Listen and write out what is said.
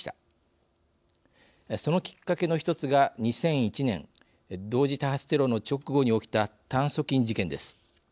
そのきっかけの一つが２００１年同時多発テロの直後に起きた炭そ菌事件です。